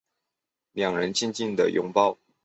两人静静拥抱